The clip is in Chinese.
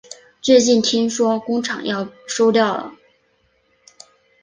最近听说工厂要收掉了